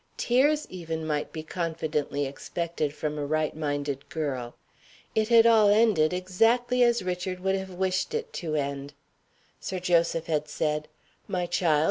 Tears even might be confidently expected from a right minded girl. It had all ended exactly as Richard would have wished it to end. Sir Joseph had said, "My child!